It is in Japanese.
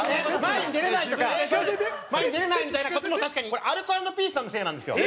これアルコ＆ピースさんのせいなんですよ。